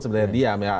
sebenarnya diam ya